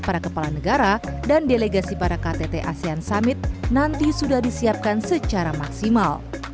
para kepala negara dan delegasi para ktt asean summit nanti sudah disiapkan secara maksimal